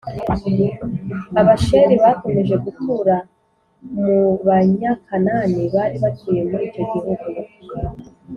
Abasheri bakomeje gutura mu Banyakanani bari batuye muri icyo gihugu,